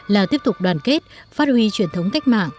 là tiếp tục đoàn kết phát huy truyền thống cách mạng